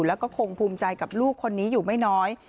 แล้วก็คงภูมิใจกับลูกคนนี้อยู่ไม่น้อย